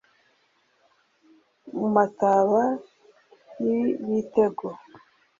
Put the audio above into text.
mu mataba y'ibitego